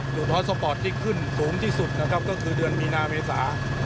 หรือท้อสปอร์ตที่ขึ้นสูงที่สุดก็คือเดือนมีนาเมษา